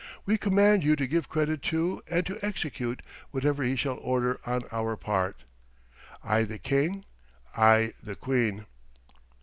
We command you to give credit to, and to execute, whatever he shall order on our part. "I, THE KING, I, THE QUEEN."